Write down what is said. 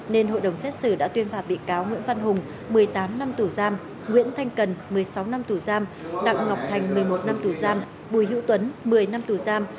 nên hội đồng xét xử đã tuyên phạt bị cáo nguyễn văn hùng một mươi tám năm tù giam nguyễn thanh cần một mươi sáu năm tù giam đặng ngọc thành một mươi một năm tù giam bùi hữu tuấn một mươi năm tù giam